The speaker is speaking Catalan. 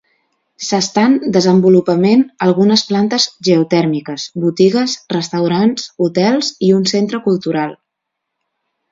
S'estan desenvolupament algunes plantes geotèrmiques, botigues, restaurants, hotels i un centre cultural.